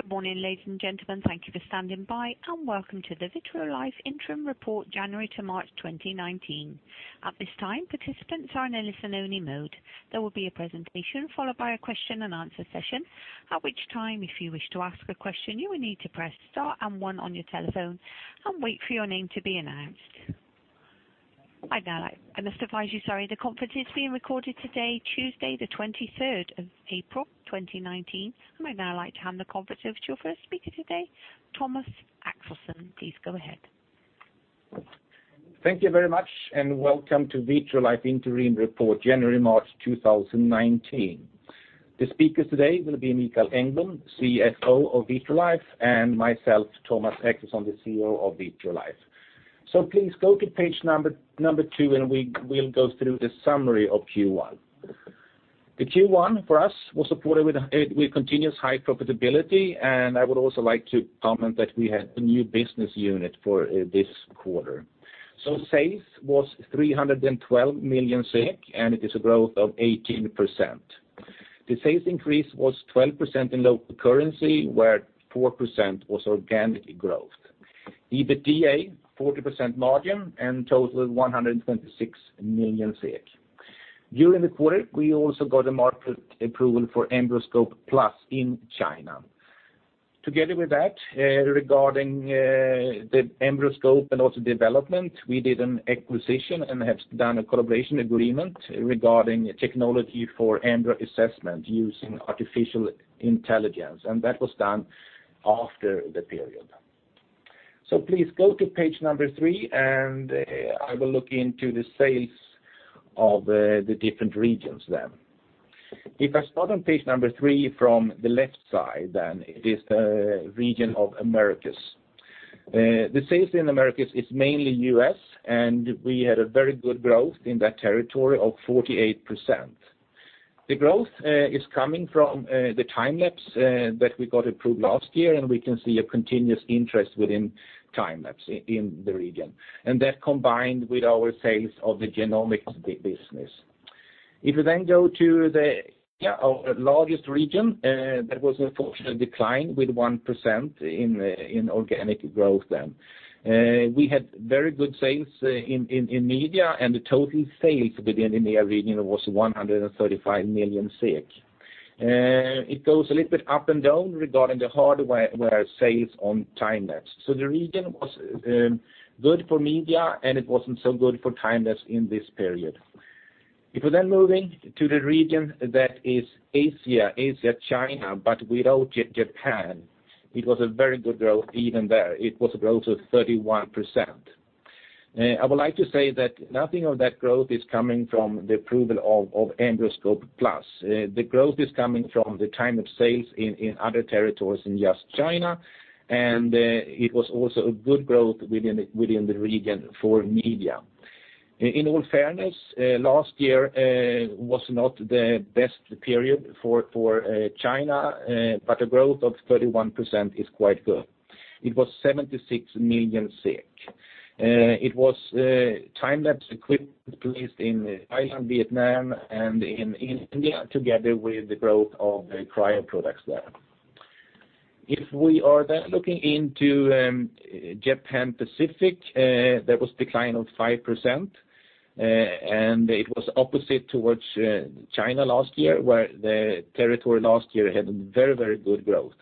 Good morning, ladies and gentlemen. Thank you for standing by, welcome to the Vitrolife Interim Report, January to March 2019. At this time, participants are in a listen-only mode. There will be a presentation followed by a question and answer session, at which time, if you wish to ask a question, you will need to press star and one on your telephone and wait for your name to be announced. I must advise you, sorry, the conference is being recorded today, Tuesday, the 23rd of April, 2019. I would now like to hand the conference over to your first speaker today, Thomas Axelsson. Please go ahead. Thank you very much. Welcome to Vitrolife Interim Report, January, March 2019. The speakers today will be Mikael Englund, CFO of Vitrolife, and myself, Thomas Axelsson, the CEO of Vitrolife. Please go to page number two, and we'll go through the summary of Q1. The Q1 for us was supported with a continuous high profitability, and I would also like to comment that we had a new business unit for this quarter. Sales was 312 million, and it is a growth of 18%. The sales increase was 12% in local currency, where 4% was organic growth. EBITDA, 40% margin and total 126 million. During the quarter, we also got a market approval for EmbryoScope+ in China. Together with that, regarding the EmbryoScope and also development, we did an acquisition and have done a collaboration agreement regarding technology for embryo assessment using artificial intelligence, and that was done after the period. Please go to page three, I will look into the sales of the different regions then. If I start on page three from the left side, then it is the region of Americas. The sales in Americas is mainly US, and we had a very good growth in that territory of 48%. The growth is coming from the time-lapse that we got approved last year, and we can see a continuous interest within time-lapse in the region, and that combined with our sales of the genomics business. If we then go to the, our largest region, that was unfortunately declined with 1% in organic growth then. We had very good sales in media, and the total sales within the media region was 135 million SEK. It goes a little bit up and down regarding the hardware, where sales on time-lapse. The region was good for media, and it wasn't so good for time-lapse in this period. If we're then moving to the region that is Asia, China, but without Japan, it was a very good growth even there. It was a growth of 31%. I would like to say that nothing of that growth is coming from the approval of EmbryoScope+. The growth is coming from time-lapse sales in other territories in just China. It was also a good growth within the region for media. In all fairness, last year was not the best period for China, a growth of 31% is quite good. It was 76 million. It was time-lapse equipment placed in Thailand, Vietnam, and in India, together with the growth of the cryo products there. If we are looking into Japan Pacific, there was decline of 5%. It was opposite towards China last year, where the territory last year had very good growth.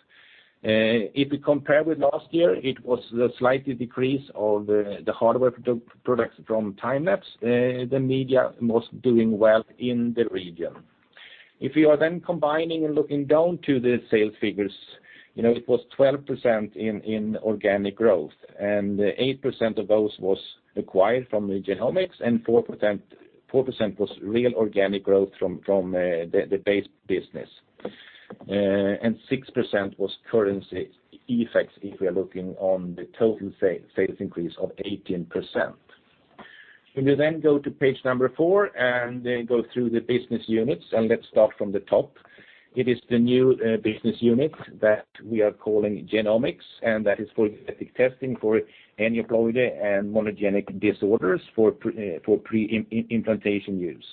If we compare with last year, it was the slightly decrease of the hardware products from time-lapse. The media was doing well in the region. You are then combining and looking down to the sales figures, you know, it was 12% in organic growth, and 8% of those was acquired from the genomics, and 4% was real organic growth from the base business. 6% was currency effects if we are looking on the total sales increase of 18%. We will then go to page four, and then go through the business units, and let's start from the top. It is the new business unit that we are calling genomics, and that is for genetic testing, for aneuploidy and monogenic disorders, for pre-implantation use.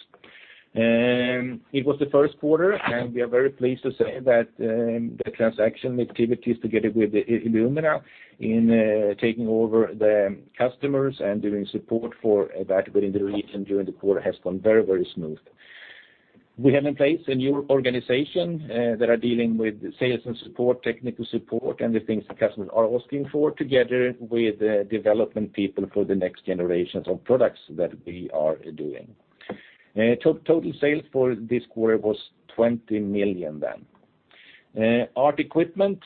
It was the Q1, we are very pleased to say that the transaction activities together with Illumina in taking over the customers and doing support for that within the region during the quarter has gone very, very smooth. We have in place a new organization that are dealing with sales and support, technical support, and the things the customers are asking for, together with the development people for the next generations of products that we are doing. Total sales for this quarter was 20 million. ART equipment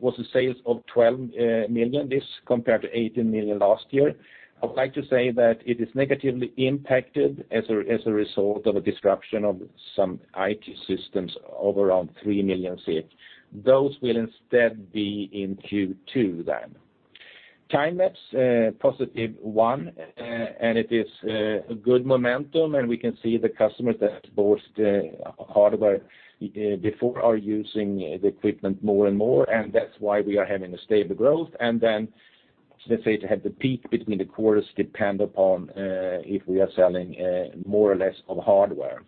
was a sales of 12 million, this compared to 18 million last year. I would like to say that it is negatively impacted as a result of a disruption of some IT systems of around 3 million. Those will instead be in Q2 then. time-lapse, positive one, and it is a good momentum, and we can see the customers that bought the hardware before are using the equipment more and more, and that's why we are having a stable growth. Let's say, to have the peak between the quarters depend upon if we are selling more or less of hardware.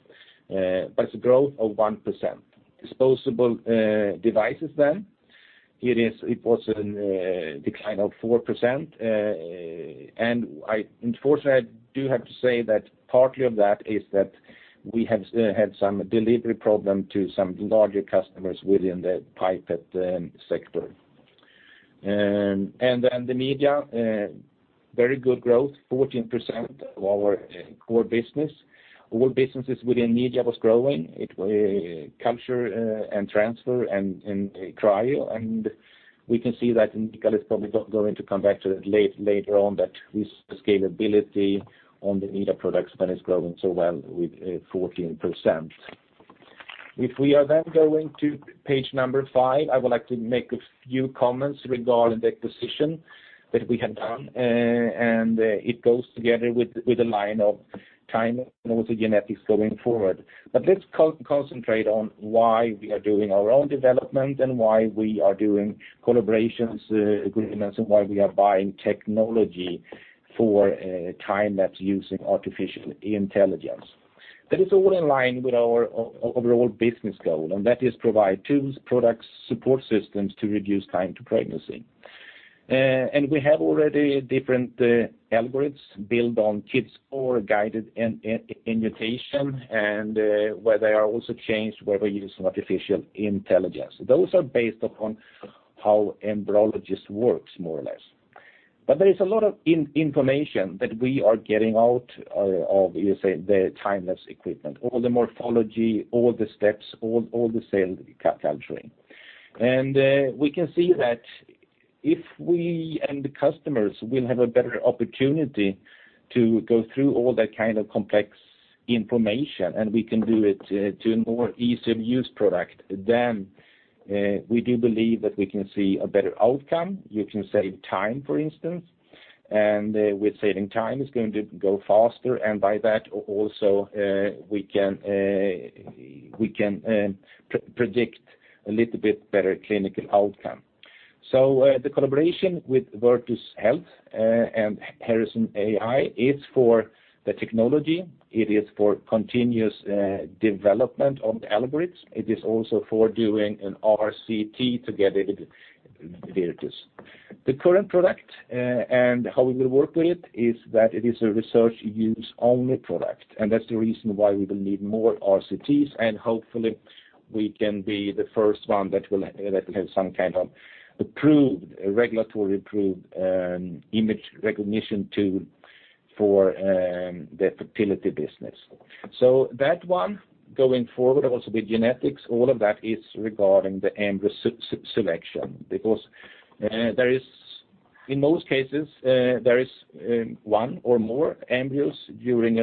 It's a growth of 1%. Disposable devices then, it was a decline of 4%. Unfortunately, I do have to say that partly of that is that we have had some delivery problem to some larger customers within the pipette sector. Then the media, very good growth, 14% of our core business. All businesses within media was growing. It, culture, and transfer and trial. We can see that Mikael is probably going to come back to it later on, that we scalability on the media products that is growing so well with 14%. If we are then going to page number five, I would like to make a few comments regarding the acquisition that we have done, and it goes together with the line of time and also genetics going forward. Let's concentrate on why we are doing our own development, and why we are doing collaborations, agreements, and why we are buying technology for a time that's using artificial intelligence. That is all in line with our overall business goal, and that is provide tools, products, support systems to reduce time to pregnancy. We have already different algorithms built on kids or guided mutation, and where they are also changed, where we use artificial intelligence. Those are based upon how embryologist works, more or less. There is a lot of information that we are getting out of, you say, the time-lapse equipment, all the morphology, all the steps, all the cell culturing. We can see that if we and the customers will have a better opportunity to go through all that kind of complex information, and we can do it to a more easy-to-use product, then we do believe that we can see a better outcome. You can save time, for instance, and with saving time, it's going to go faster, and by that also, we can, we can predict a little bit better clinical outcome. The collaboration with Virtus Health, and Harrison.ai is for the technology, it is for continuous development of the algorithms. It is also for doing an RCT together with Virtus. The current product, and how we will work with it, is that it is a research use-only product, and that's the reason why we will need more RCTs, and hopefully, we can be the first one that will, that have some kind of approved, regulatory approved, image recognition tool for, the fertility business. That one, going forward, also with genetics, all of that is regarding the embryo selection. Because there is, in most cases, there is one or more embryos during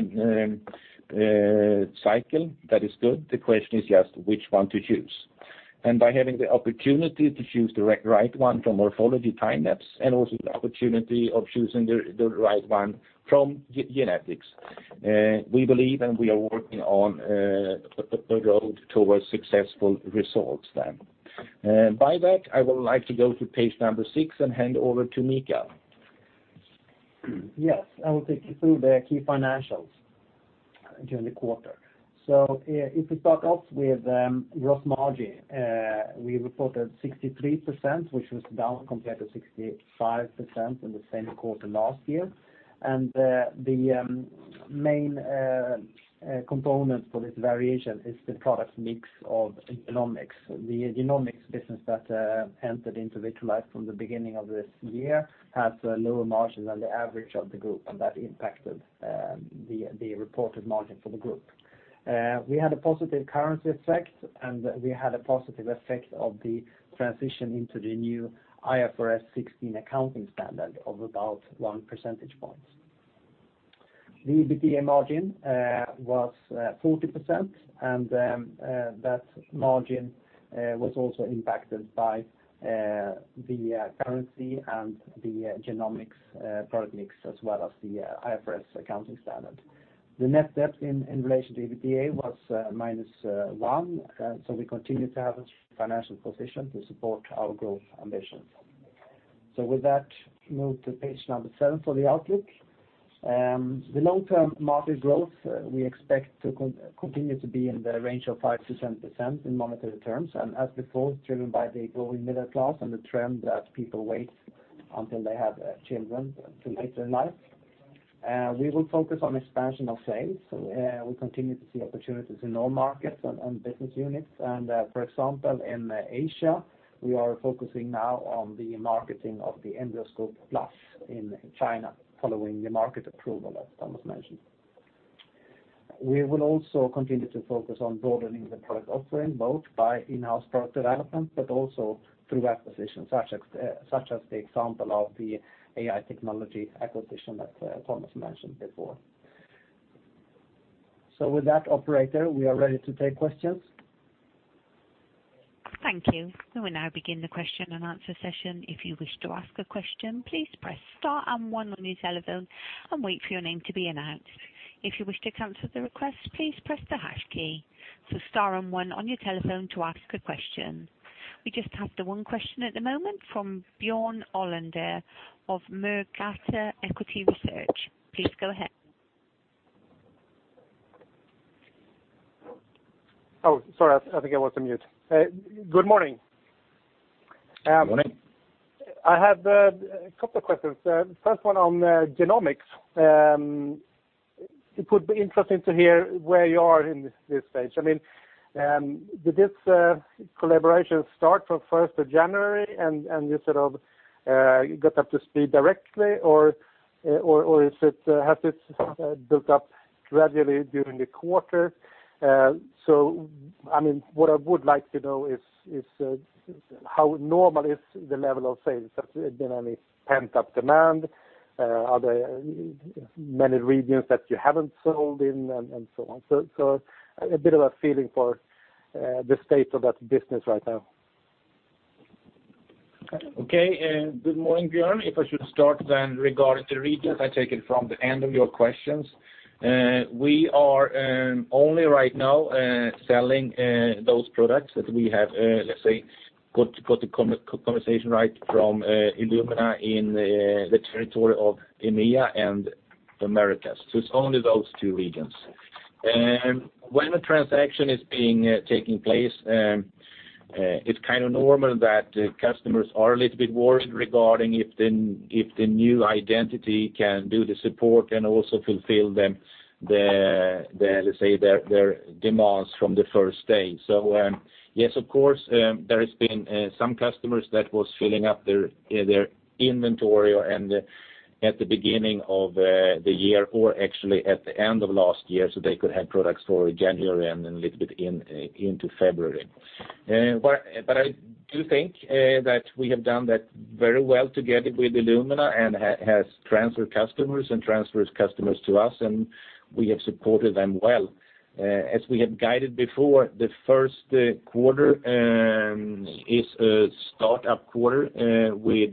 cycle. That is good. The question is just which one to choose. By having the opportunity to choose the right one from morphology time-lapse, and also the opportunity of choosing the right one from genetics, we believe, and we are working on, the road towards successful results then. By that, I would like to go to page number six and hand over to Mikael. Yes, I will take you through the key financials during the quarter. If we start off with gross margin, we reported 63%, which was down compared to 65% in the same quarter last year. The main component for this variation is the product mix of genomics. The genomics business that entered into Vitrolife from the beginning of this year, has a lower margin than the average of the group, and that impacted the reported margin for the group. We had a positive currency effect, and we had a positive effect of the transition into the new IFRS 16 accounting standard of about one percentage points. The EBITDA margin was 40%, and then that margin was also impacted by the currency and the genomics product mix, as well as the IFRS accounting standard. The net debt in relation to EBITDA was minus one. We continue to have a financial position to support our growth ambitions. With that, move to page number seven for the outlook. The long-term market growth, we expect to continue to be in the range of 5%-7% in monetary terms, and as before, driven by the growing middle class and the trend that people wait until they have children till later in life. We will focus on expansion of sales. We continue to see opportunities in all markets and business units. For example, in Asia, we are focusing now on the marketing of the EmbryoScope+ in China, following the market approval, as Thomas mentioned. We will also continue to focus on broadening the product offering, both by in-house product development, but also through acquisitions, such as, such as the example of the AI technology acquisition that, Thomas mentioned before. With that, operator, we are ready to take questions. Thank you. We will now begin the question and answer session. If you wish to ask a question, please press star and one on your telephone, and wait for your name to be announced. If you wish to cancel the request, please press the hash key, so star and one on your telephone to ask a question. We just have the one question at the moment from Björn Olander of Murgata Equity Research. Please go ahead. Oh, sorry, I think I was on mute. Good morning. Good morning. I have a couple of questions. First one on genomics. It would be interesting to hear where you are in this stage. I mean, did this collaboration start from 1st of January, and you sort of got up to speed directly, or is it has it built up gradually during the quarter? I mean, what I would like to know is how normal is the level of sales? Has there been any pent-up demand, are there many regions that you haven't sold in and so on? A bit of a feeling for the state of that business right now. Okay, good morning, Björn. If I should start, regarding the regions, I take it from the end of your questions. We are only right now selling those products that we have, let's say, got a conversation right from Illumina in the territory of EMEA and the Americas. It's only those two regions. When a transaction is being taking place, it's kind of normal that customers are a little bit worried regarding if the new identity can do the support and also fulfill them, let's say, their demands from the first day. Yes, of course, there has been some customers that was filling up their inventory or, and at the beginning of the year or actually at the end of last year, so they could have products for January and then a little bit in into February. I do think that we have done that very well together with Illumina, and has transferred customers and transfers customers to us, and we have supported them well. As we have guided before, the Q1 is a start-up quarter, with,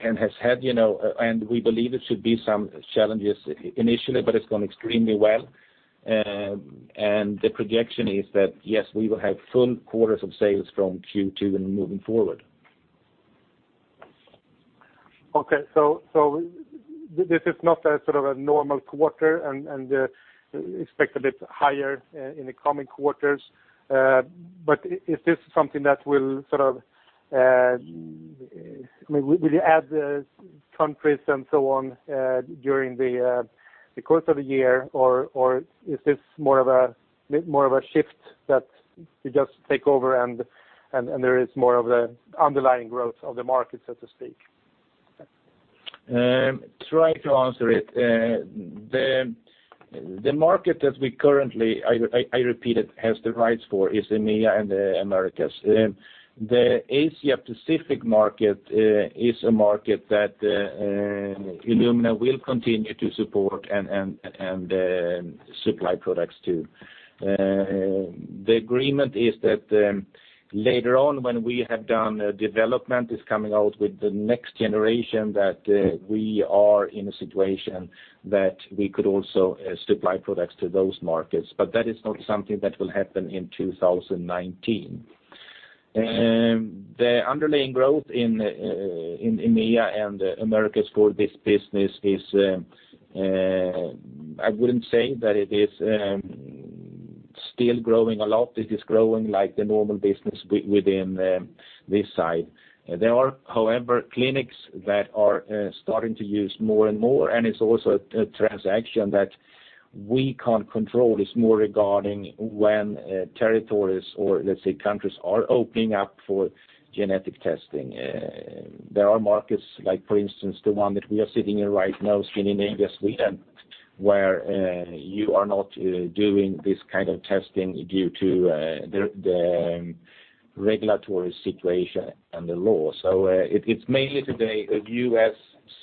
and has had, you know, and we believe there should be some challenges initially, but it's gone extremely well. The projection is that, yes, we will have full quarters of sales from Q2 and moving forward. Okay. This is not a sort of a normal quarter and expect a bit higher in the coming quarters. Is this something that will sort of, maybe will you add countries and so on, during the course of the year? Is this more of a shift that you just take over and there is more of a underlying growth of the market, so to speak? Try to answer it. The market that we currently, I repeat, it has the rights for is EMEA and the Americas. The Asia-Pacific market is a market that Illumina will continue to support and supply products to. The agreement is that later on, when we have done development, is coming out with the next generation, that we are in a situation that we could also supply products to those markets, but that is not something that will happen in 2019. The underlying growth in EMEA and Americas for this business is, I wouldn't say that it is still growing a lot. It is growing like the normal business within this side. There are, however, clinics that are starting to use more and more, and it's also a transaction that we can't control. It's more regarding when territories or, let's say, countries are opening up for genetic testing. There are markets like, for instance, the one that we are sitting in right now, Scandinavia, Sweden, where you are not doing this kind of testing due to the regulatory situation and the law. It's mainly today, US,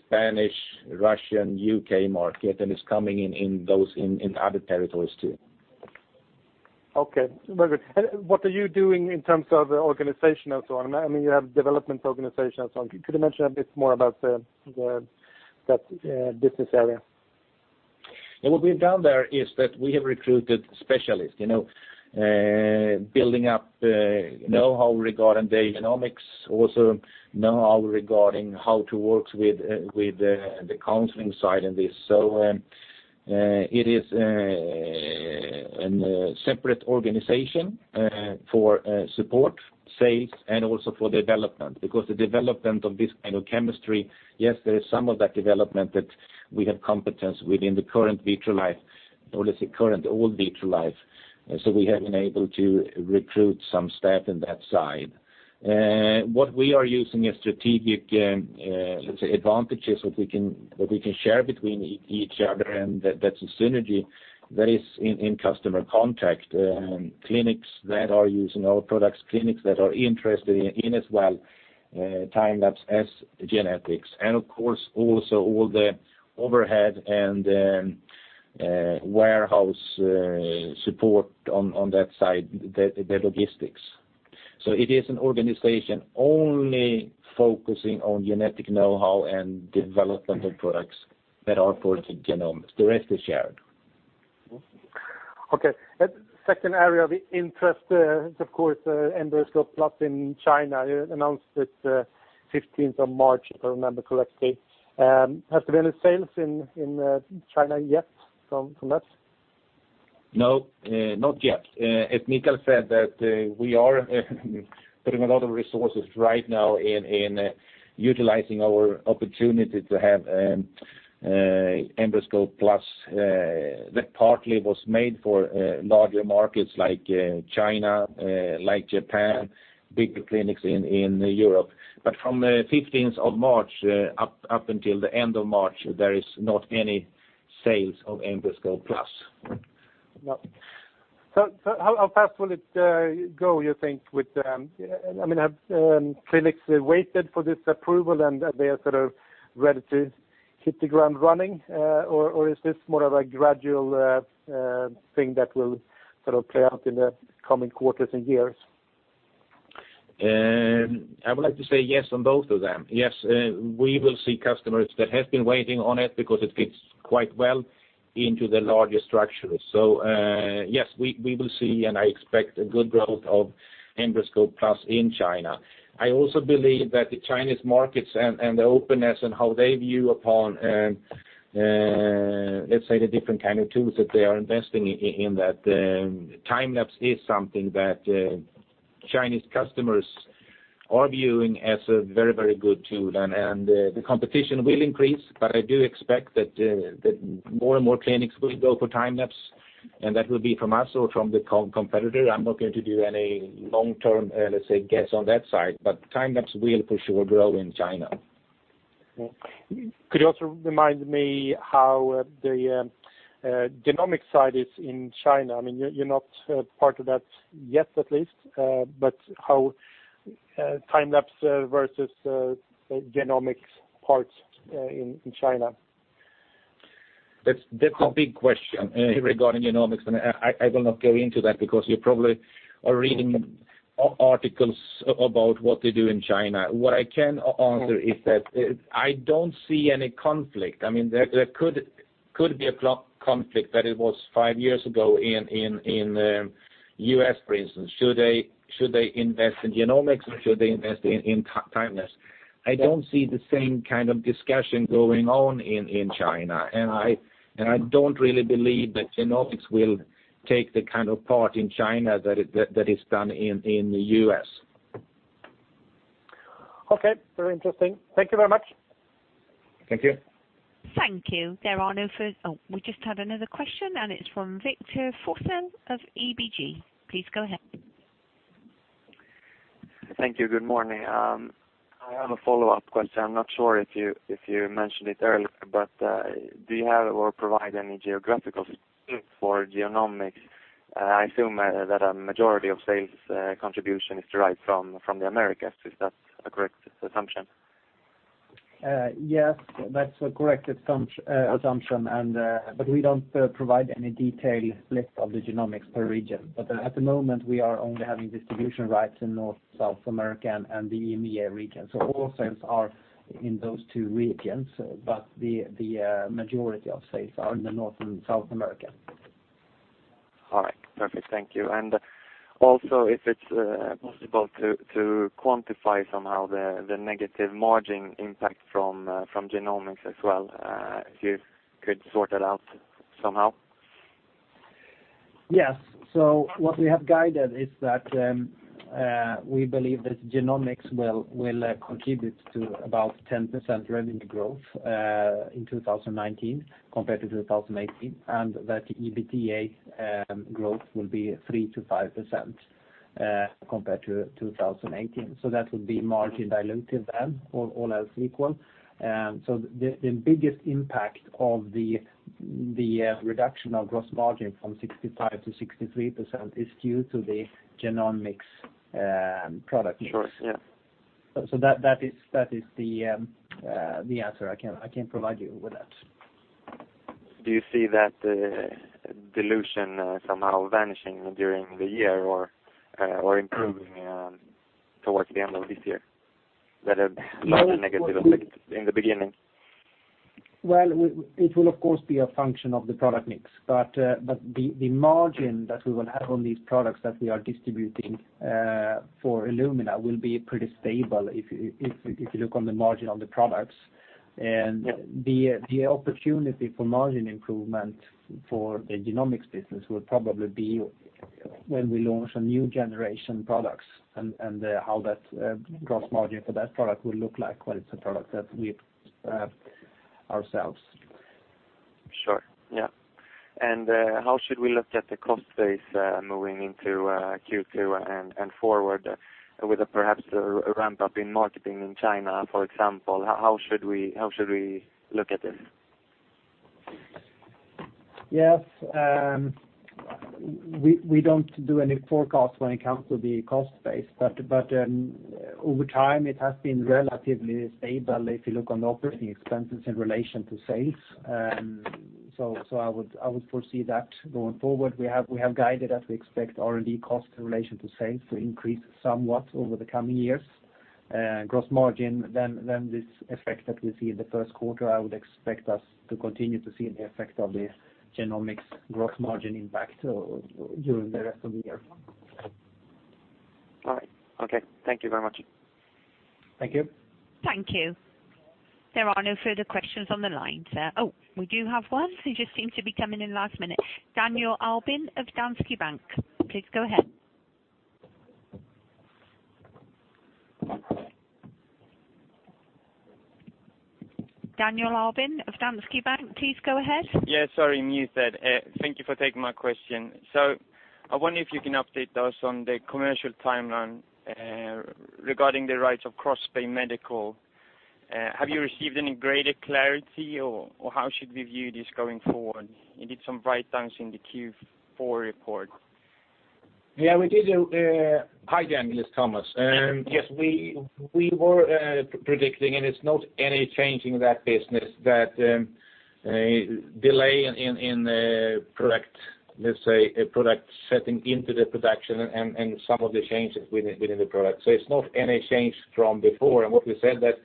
Spanish, Russian, UK market, and it's coming in those, in other territories, too. Okay, very good. What are you doing in terms of organization and so on? I mean, you have development organization and so on. Could you mention a bit more about the that business area? What we've done there is that we have recruited specialists, you know, building up know-how regarding the genomics, also know-how regarding how to work with the counseling side in this. It is an separate organization for support, sales, and also for development. The development of this kind of chemistry, yes, there is some of that development that we have competence within the current Vitrolife, or let's say current old Vitrolife, so we have been able to recruit some staff in that side. What we are using a strategic, let's say advantages that we can, that we can share between each other, and that's a synergy that is in customer contact, clinics that are using our products, clinics that are interested in as well, time-lapse as genetics, and of course, also all the overhead and warehouse support on that side, the logistics. It is an organization only focusing on genetic know-how and development of products that are for genomics. The rest is shared. Okay. Second area of interest is, of course, EmbroScope+ in China. You announced it, 15th of March, if I remember correctly. Has there been any sales in China yet from that? No, not yet. As Mikael said, that we are putting a lot of resources right now in utilizing our opportunity to have EmbroScope+, that partly was made for larger markets like China, like Japan, bigger clinics in Europe. From the 15th of March up until the end of March, there is not any sales of EmbroScope+. No. How fast will it go, you think, with, I mean, have clinics waited for this approval, and they are sort of ready to hit the ground running? Is this more of a gradual thing that will sort of play out in the coming quarters and years? I would like to say yes on both of them. Yes, we will see customers that have been waiting on it because it fits quite well into the larger structures. Yes, we will see, and I expect a good growth of EmbroScope+ in China. I also believe that the Chinese markets and the openness and how they view upon, let's say, the different kind of tools that they are investing in that, time-lapse is something that Chinese customers are viewing as a very, very good tool. The competition will increase, but I do expect that more and more clinics will go for time-lapse, and that will be from us or from the competitor. I'm not going to do any long-term, let's say, guess on that side, but time-lapse will for sure grow in China. Okay. Could you also remind me how the genomics side is in China? I mean, you're not part of that yet, at least, but how time-lapse versus genomics parts in China? That's a big question regarding genomics, and I will not go into that because you probably are reading articles about what they do in China. What I can answer is that I don't see any conflict. I mean, there could be a conflict, that it was five years ago in the US, for instance. Should they invest in genomics, or should they invest in time-lapse? I don't see the same kind of discussion going on in China, and I don't really believe that genomics will take the kind of part in China that it is done in the US. Okay, very interesting. Thank you very much. Thank you. Thank you. Oh, we just had another question, and it's from Victor Forssell of ABG. Please go ahead. Thank you. Good morning. I have a follow-up question. I'm not sure if you mentioned it earlier, but do you have or provide any geographical for genomics? I assume that a majority of sales contribution is derived from the Americas. Is that a correct assumption? Yes, that's a correct assumption, we don't provide any detailed list of the genomics per region. At the moment, we are only having distribution rights in North, South America and the EMEA region. All sales are in those two regions, but the majority of sales are in the North and South America. All right, perfect. Thank you. Also, if it's possible to quantify somehow the negative margin impact from genomics as well, if you could sort it out somehow? What we have guided is that we believe that genomics will contribute to about 10% revenue growth in 2019 compared to 2018, and that EBITDA growth will be 3%-5% compared to 2018. That will be margin dilutive then, all else equal. The biggest impact of the reduction of gross margin from 65%-63% is due to the genomics product mix. Sure, yeah. That is the answer I can provide you with that. Do you see that dilution somehow vanishing during the year or improving towards the end of this year? A negative effect in the beginning. Well, it will, of course, be a function of the product mix. The margin that we will have on these products that we are distributing for Illumina will be pretty stable if you look on the margin on the products. Yeah. The opportunity for margin improvement for the genomics business will probably be when we launch a new generation products and how that gross margin for that product will look like when it's a product that we ourselves. Sure. Yeah. How should we look at the cost base, moving into Q2 and forward with perhaps a ramp-up in marketing in China, for example? How should we look at this? Yes. We don't do any forecast when it comes to the cost base, but over time, it has been relatively stable if you look on the operating expenses in relation to sales. I would foresee that going forward. We have guided as we expect R&D costs in relation to sales to increase somewhat over the coming years. Gross margin, this effect that we see in the Q1, I would expect us to continue to see the effect of the genomics gross margin impact during the rest of the year. All right. Okay, thank you very much. Thank you. Thank you. There are no further questions on the line, sir. Oh, we do have one. He just seems to be coming in last minute. Daniel Albin of Danske Bank. Please go ahead. Daniel Albin of Danske Bank, please go ahead. Thank you for taking my question. I wonder if you can update us on the commercial timeline regarding the rights of CrossBay Medical. Have you received any greater clarity, or how should we view this going forward? You did some writedowns in the Q4 report. Yeah, we did. Hi, Daniel, it's Thomas. Yes, we were predicting, and it's not any change in that business, that a delay in the product, let's say, a product setting into the production and some of the changes within the product. It's not any change from before, and what we said that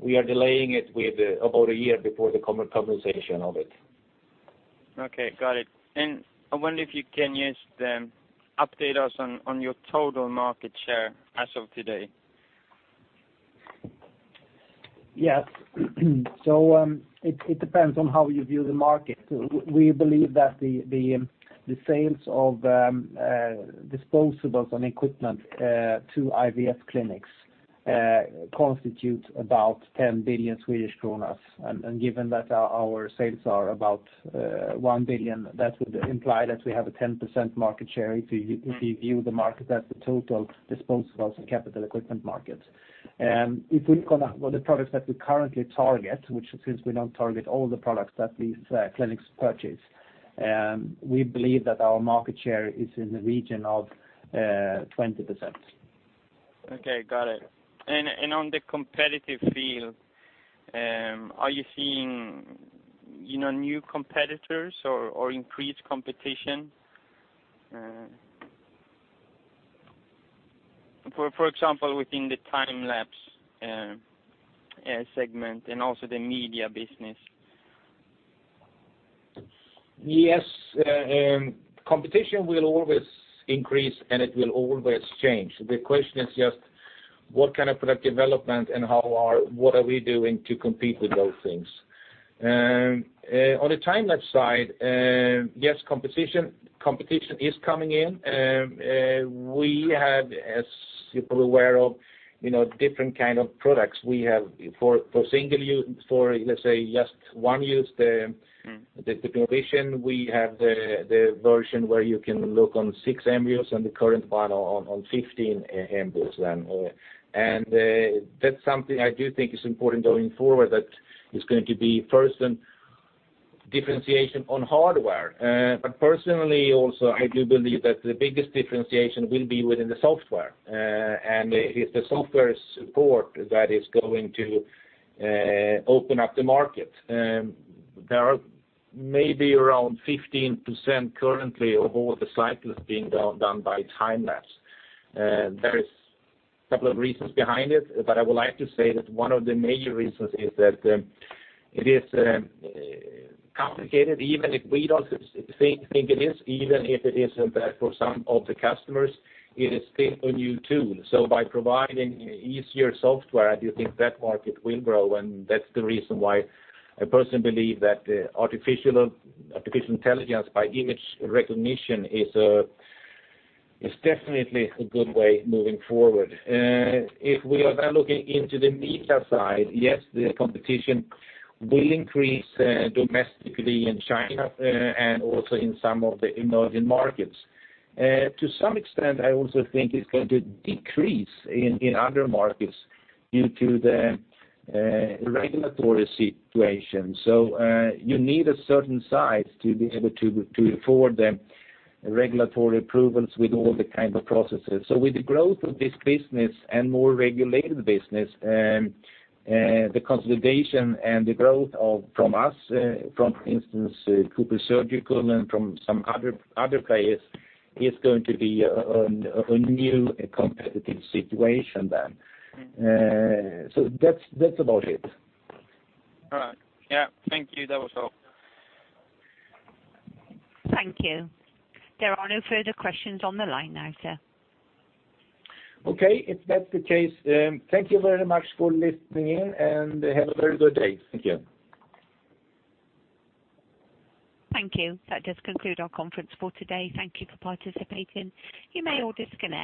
we are delaying it with about 1 year before the compensation of it. Okay, got it. I wonder if you can just update us on your total market share as of today? Yes. It depends on how you view the market. We believe that the sales of disposables on equipment to IVF clinics constitute about 10 billion Swedish kronor. Given that our sales are about 1 billion, that would imply that we have a 10% market share, if you view the market as the total disposables and capital equipment market. If we look on the products that we currently target, which since we don't target all the products that these clinics purchase, we believe that our market share is in the region of 20%. Okay, got it. On the competitive field, are you seeing, you know, new competitors or increased competition? For example, within the time-lapse segment and also the media business. Yes, competition will always increase, and it will always change. The question is just what kind of product development and what are we doing to compete with those things? On the time-lapse side, yes, competition is coming in. We have, as people are aware of, you know, different kind of products. We have for single use, for, let's say, just one use, the innovation, we have the version where you can look on six embryos and the current one on 15 embryos then. That's something I do think is important going forward, that is going to be first in differentiation on hardware. But personally, also, I do believe that the biggest differentiation will be within the software. It's the software support that is going to open up the market. There are maybe around 15% currently of all the cycles being done by time-lapse. There is a couple of reasons behind it, but I would like to say that one of the major reasons is that it is complicated, even if we don't think it is, even if it isn't that for some of the customers, it is still a new tool. By providing easier software, I do think that market will grow, and that's the reason why I personally believe that artificial intelligence by image recognition is definitely a good way moving forward. If we are now looking into the media side, yes, the competition will increase domestically in China and also in some of the emerging markets. To some extent, I also think it's going to decrease in other markets due to the regulatory situation. You need a certain size to be able to afford the regulatory approvals with all the kind of processes. With the growth of this business and more regulated business, the consolidation and the growth of, from us, from instance, CooperSurgical and from some other players, is going to be a new competitive situation then. That's about it. All right. Yeah. Thank you. That was all. Thank you. There are no further questions on the line now, sir. Okay, if that's the case, thank you very much for listening in, and have a very good day. Thank you. Thank you. That does conclude our conference for today. Thank you for participating. You may all disconnect.